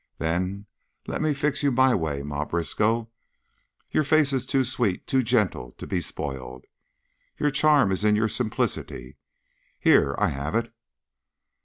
"Then let me fix you my way. Ma Briskow, your face is too sweet, too gentle, to be spoiled. Your charm is in your simplicity. Here, I have it!"